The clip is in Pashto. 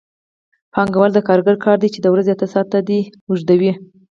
پانګوال د کارګر کار چې د ورځې اته ساعته دی اوږدوي